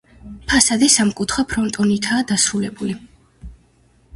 ფასადი სამკუთხა ფრონტონითაა დასრულებული.